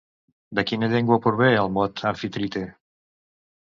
De quina llengua prové el mot Amfitrite?